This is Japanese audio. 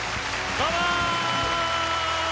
どうも。